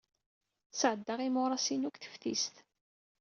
Sɛeddaɣ imuras-inu deg teftist.